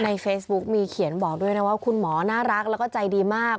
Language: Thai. ในเฟซบุ๊กมีเขียนบอกด้วยนะว่าคุณหมอน่ารักแล้วก็ใจดีมาก